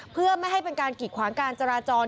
เพื่อไม่ให้เป็นการกิดขวางการจราจร